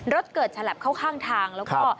รถเกิดฉลับเข้าข้างทางแล้วก็